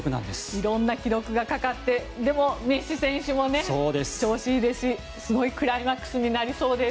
いろんな記録がかかってでもメッシ選手も調子いいですしすごいクライマックスになりそうです。